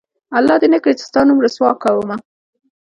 الله دې نه کړي چې ستا نوم رسوا کومه